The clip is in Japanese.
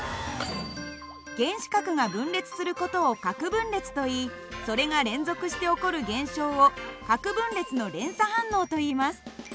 原子核が分裂する事を核分裂といいそれが連続して起こる現象を核分裂の連鎖反応といいます。